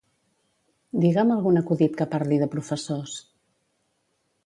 Digue'm algun acudit que parli de professors.